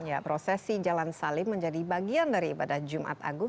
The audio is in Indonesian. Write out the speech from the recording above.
ya prosesi jalan salim menjadi bagian dari ibadah jumat agung